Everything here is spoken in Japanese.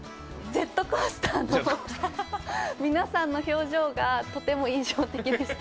ジェットコースターの皆さんの表情がとても印象的でした。